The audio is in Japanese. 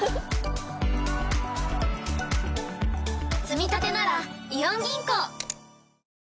つみたてならイオン銀行！